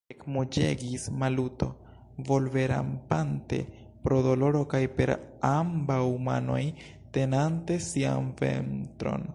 ekmuĝegis Maluto, volverampante pro doloro kaj per ambaŭ manoj tenante sian ventron.